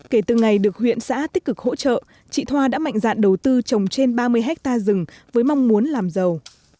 kể từ ngày được huyện xã tích cực hỗ trợ chị thoa đã mạnh dạn đầu tư trồng trên ba mươi hectare rừng với mong muốn làm giàu